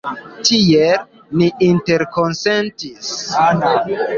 Tiel ni interkonsentis.